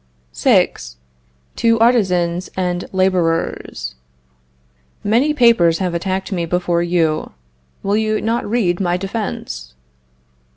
VI. TO ARTISANS AND LABORERS. Many papers have attacked me before you. Will you not read my defense?